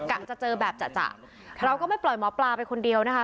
จะเจอแบบจะเราก็ไม่ปล่อยหมอปลาไปคนเดียวนะคะ